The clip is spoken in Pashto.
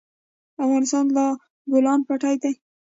افغانستان له د بولان پټي ډک دی.